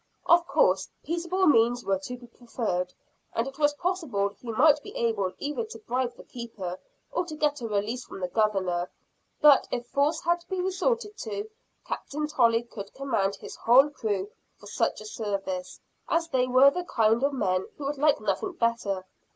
Of course peaceable means were to be preferred; and it was possible he might be able either to bribe the keeper, or to get a release from the Governor; but, if force had to be resorted to, Captain Tolley could command his whole crew for such a service, as they were the kind of men who would like nothing better.